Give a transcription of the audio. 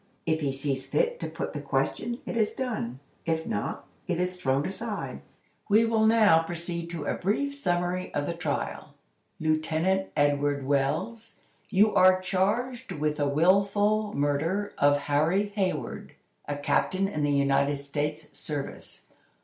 If he sees fit to put the question, it is done; if not, it is thrown aside. We will now proceed to a brief summary of the trial. "Lieutenant Edward Wells, you are charged with the willful murder of Harry Hayward, a captain in the United States service.